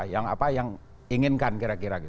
yang apa yang inginkan kira kira